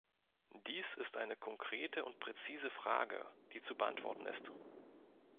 Dies ist eine konkrete und präzise Frage, die zu beantworten ist.